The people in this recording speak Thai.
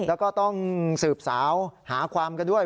แล้วก็ต้องสืบสาวหาความกันด้วย